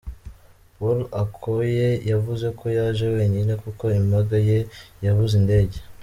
Paul Okoye yavuze ko yaje wenyine kuko impanga ye yabuze indege.